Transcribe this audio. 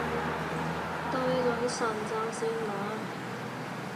對女神就善良